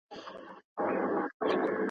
مېوې وچ کړه!